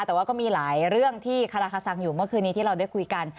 แต่ว่าก็มีหลายเรื่องที่คาราคาซังอยู่เมื่อคืนนี้ที่เราได้คุยกัน